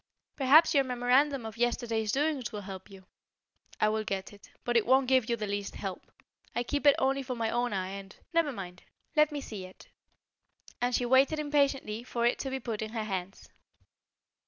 "Perhaps your memorandum of yesterday's doings will help you." "I will get it. But it won't give you the least help. I keep it only for my own eye, and " "Never mind; let me see it." And she waited impatiently for it to be put in her hands.